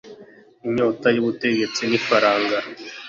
inyota y’ubutegetsi n’ifaranga…